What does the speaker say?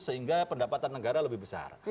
sehingga pendapatan negara lebih besar